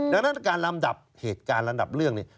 ดังนั้นการลำดับเหตุการณ์ลำดับเรื่องนี้